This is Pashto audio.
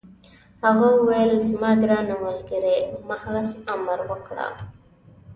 هغه وویل: زما ګرانه ملګرې، محض امر وکړه.